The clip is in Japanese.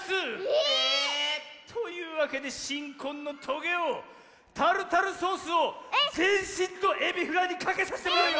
え⁉というわけでしんこんのトゲオタルタルソースをぜんしんとエビフライにかけさせてもらうぞ！